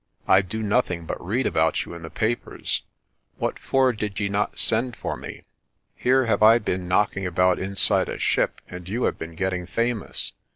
I do nothing but read about you in the papers. What for did ye not send for me? Here have I been knocking about inside a ship and you have been getting famous.